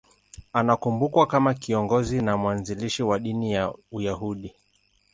Anakumbukwa kama kiongozi na mwanzilishi wa dini ya Uyahudi.